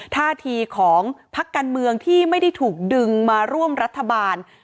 ท่าทีของพักการเมืองที่ไม่ได้ถูกดึงมาร่วมรัฐบาล